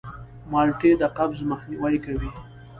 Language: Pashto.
مالټې د قبض مخنیوی کوي.